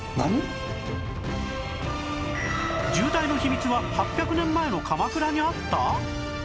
渋滞の秘密は８００年前の鎌倉にあった？